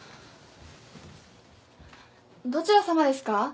どちらさまですか？